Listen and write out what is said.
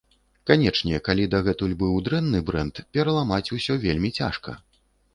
Канечне, калі дагэтуль быў дрэнны брэнд, пераламаць усё вельмі цяжка.